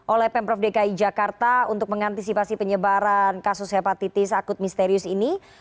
oleh pemprov dki jakarta untuk mengantisipasi penyebaran kasus hepatitis akut misterius ini